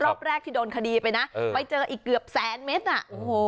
รอบแรกที่โดนคดีไปนะเออไปเจออีกเกือบแสนเมตรอ่ะโอ้โห